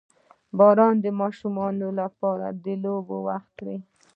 • باران د ماشومانو لپاره د لوبو وخت وي.